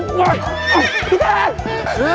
ปล่อยดิ